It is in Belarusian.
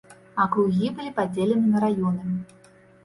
Акругі былі падзелены на раёны.